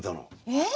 えっ？